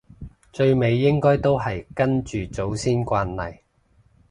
最尾應該都係跟祖先慣例